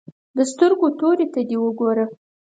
د سترګو تورې ته دې وګوره.